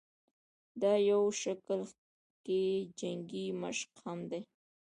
دا يو شکل کښې جنګي مشق هم دے